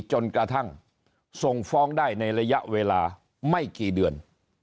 จนกระทั่งส่งฟ้องได้ในระยะเวลาไม่กี่เดือน